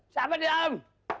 siapa di dalam